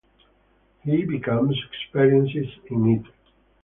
He becomes experienced in it.